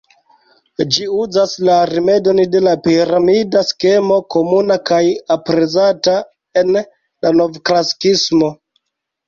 Ĝi uzas la rimedon de la piramida skemo, komuna kaj aprezata en la Novklasikismo.